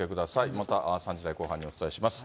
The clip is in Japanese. また３時台後半にお伝えします。